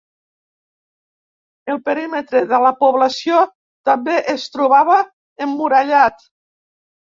El perímetre de la població també es trobava emmurallat.